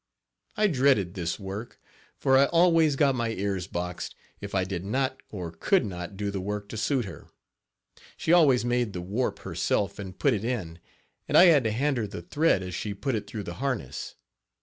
I dreaded this work, for I always got my ears boxed if I did not or could not do the work to suit her. She always made the warp herself and put it in, and I had to hand her the thread as she put it through the harness.